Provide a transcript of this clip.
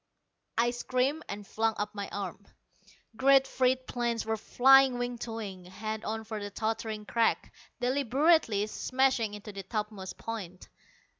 I screamed and flung up my arm. Great freight planes were flying wing to wing, head on for the tottering crag deliberately smashing into the topmost point.